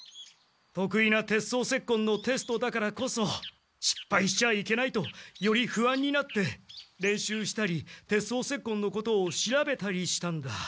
得意な鉄双節棍のテストだからこそしっぱいしちゃいけないとより不安になって練習したり鉄双節棍のことを調べたりしたんだ。